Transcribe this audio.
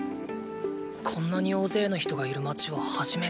こんなに大勢の人がいる街は初めてだ。